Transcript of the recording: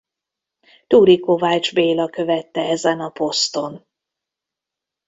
Turi-Kovács Béla követte ezen a poszton.